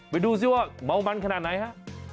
ไปดูซิว่าเมามันขนาดไหนฮะ